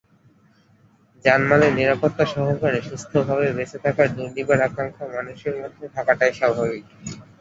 জানমালের নিরাপত্তাসহকারে সুস্থভাবে বেঁচে থাকার দুর্নিবার আকাঙ্ক্ষা মানুষের মধ্যে থাকাটাই স্বাভাবিক।